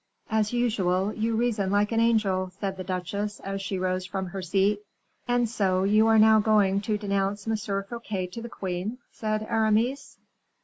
"As usual, you reason like an angel," said the duchesse, as she rose from her seat. "And so, you are now going to denounce M. Fouquet to the queen," said Aramis.